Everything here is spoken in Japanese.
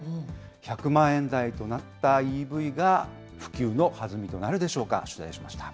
１００万円台となったＥＶが普及の弾みとなるでしょうか。